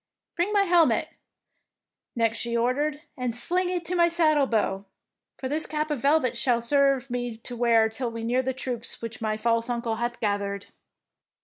Bring my helmet,'^ next she or dered, " and sling it to my saddle bow, for this cap of velvet shall serve me to wear till we near the troops which my false uncle hath gathered.